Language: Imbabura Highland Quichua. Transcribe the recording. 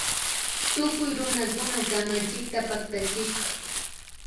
Tukuy runakuna kamachikta paktachishpa